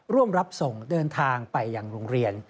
ร่วมรับส่งเดินทางไปอย่างโรงเรียน